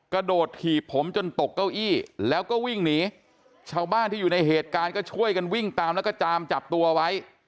กระโดดถีบผมจนตกเก้าอี้แล้วก็วิ่งหนีชาวบ้านที่อยู่ในเหตุการณ์ก็ช่วยกันวิ่งตามแล้วก็จามจับตัวไว้